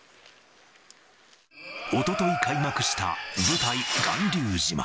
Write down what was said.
おととい開幕した舞台、巌流島。